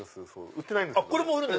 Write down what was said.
売ってないです